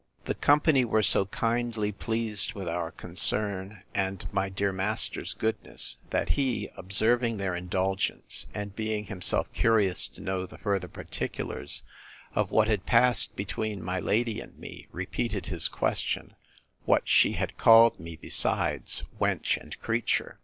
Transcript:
The company were so kindly pleased with our concern, and my dear master's goodness, that he, observing their indulgence, and being himself curious to know the further particulars of what had passed between my lady and me, repeated his question, What she had called me besides wench and creature?